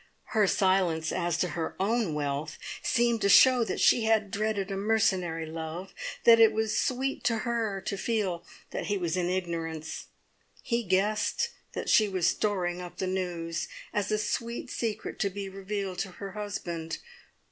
Her silence as to her own wealth seemed to show that she had dreaded a mercenary love, that it was sweet to her to feel that he was in ignorance. He guessed that she was storing up the news as a sweet secret to be revealed to her husband.